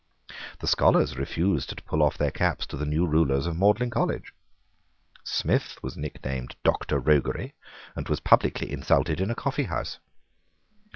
The scholars refused to pull off their caps to the new rulers of Magdalene College. Smith was nicknamed Doctor Roguery, and was publicly insulted in a coffeehouse.